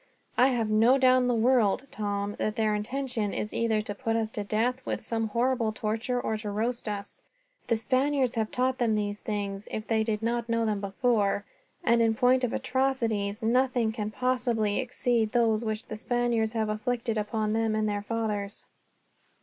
"I have no doubt in the world, Tom, that their intention is either to put us to death with some horrible torture, or to roast us. The Spaniards have taught them these things, if they did not know them before; and in point of atrocities, nothing can possibly exceed those which the Spaniards have inflicted upon them and their fathers."